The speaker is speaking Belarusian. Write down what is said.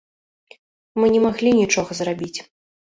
Мы не маглі нічога зрабіць.